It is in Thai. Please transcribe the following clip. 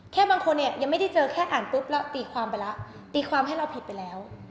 บางคนเนี่ยยังไม่ได้เจอแค่อ่านปุ๊บแล้วตีความไปแล้วตีความให้เราผิดไปแล้ว